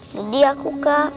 jadi aku kak